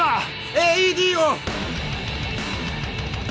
ＡＥＤを！